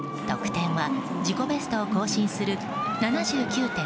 得点は自己ベストを更新する７９．８４。